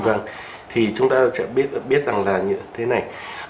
vâng thì chúng ta sẽ biết rằng là như thế này